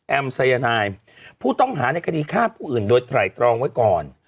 สายนายผู้ต้องหาในคดีฆ่าผู้อื่นโดยไตรตรองไว้ก่อน